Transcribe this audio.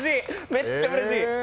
めっちゃうれしい。